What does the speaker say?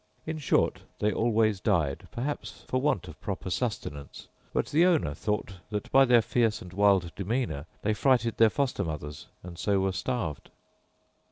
In short, they always died, perhaps for want of proper sustenance: but the owner thought that by their fierce and wild demeanour they frighted their foster mothers, and so were starved.